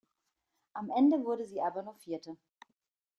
Am Ende wurde sie aber nur Vierte.